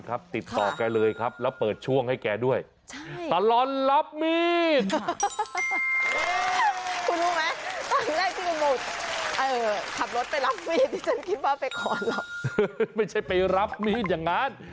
ขับรถไปรับมีดที่ฉันคิดว่าไปขอหรอไม่ใช่ไปรับมีดอย่างงั้น